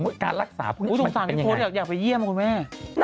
อยากไปเยี่ยมคุณแม่